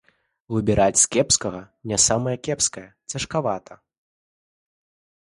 Выбіраць з кепскага не самае кепскае цяжкавата.